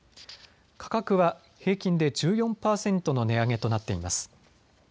価格は平均で１４％の値上げとなっています。